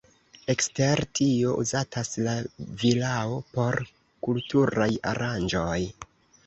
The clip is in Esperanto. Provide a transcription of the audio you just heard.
Ekster tio uzatas la vilao por kulturaj aranĝoj.